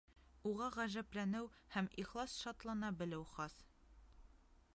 Уға ғәжәпләнеү һәм ихлас шатлана белеү хас.